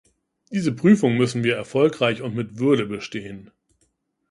Diese Prüfung müssen wir erfolgreich und mit Würde bestehen.